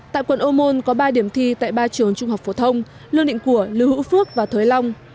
tại quận ô môn có ba điểm thi tại ba trường trung học phổ thông lương định của lưu hữu phước và thới long